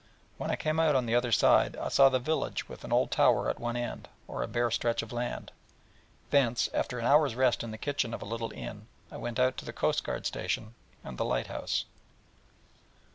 When I came out on the other side, I saw the village, with an old tower at one end, on a bare stretch of land; and thence, after an hour's rest in the kitchen of a little inn, went out to the coast guard station, and the lighthouse.